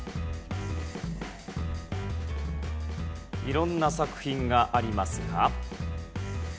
色んな作品がありますが。